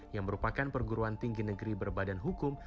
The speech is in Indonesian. yang merupakan perguruan tinggi negeri berbadan hukum